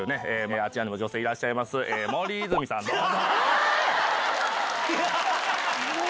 あちらにも女性いらっしゃいます森泉さんどうぞ！